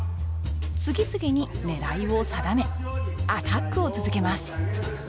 次々に狙いを定めアタックを続けます